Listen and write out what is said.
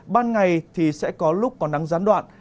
ban ngày thì sẽ có lúc có nắng gián đoạn